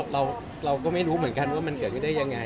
เราก็ไม่รู้เหมือนกันว่ามันเกิดขึ้นได้ยังไง